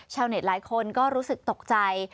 ชาวเน็ตหลายคนก็รู้สึกตกใจ